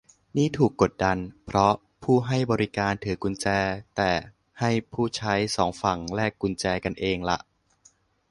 นี่ถูกกดดันเพราะผู้ให้บริการถือกุญแจ แต่ให้ผู้ใช้สองฝั่งแลกกุญแจกันเองล่ะ